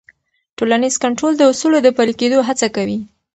ټولنیز کنټرول د اصولو د پلي کېدو هڅه کوي.